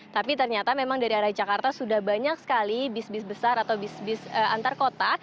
tapi ternyata memang dari arah jakarta sudah banyak sekali bis bis besar atau bis bis antar kota